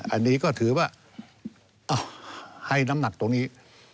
อันนี้ก็ถือว่าเอาให้น้ำหนักตรงนี้